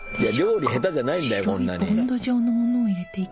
料理下手じゃないんだよこんなに。